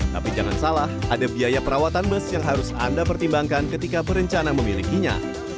tapi jangan salah ada biaya perawatan bus yang harus anda pertimbangkan ketika berencana memilikinya